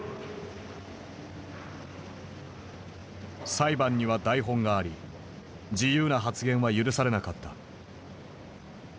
裁判には台本があり自由な発言は許されなかった。